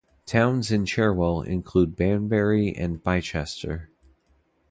Towns in Cherwell include Banbury and Bicester.